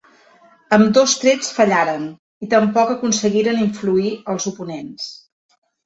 Ambdós trets fallaren, i tampoc aconseguiren influir als oponents.